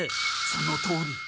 そのとおり。